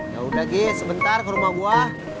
ya udah ge sebentar ke rumah gua